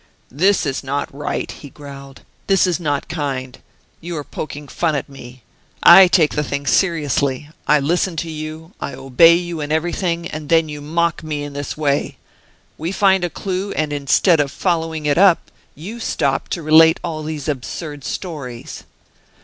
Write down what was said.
"This is not right," he growled, "this is not kind. You are poking fun at me. I take the thing seriously; I listen to you, I obey you in everything, and then you mock me in this way. We find a clue, and instead of following it up, you stop to relate all these absurd stories."